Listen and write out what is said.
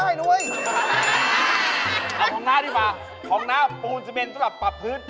เอาของน้าดีกว่าของน้าปูนจะเป็นสำหรับปรับพื้น